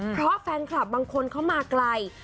เพราะแฟนคลับบางคนเข้ามาไกล